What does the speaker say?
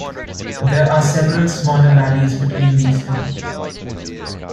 There are several smaller valleys between these two.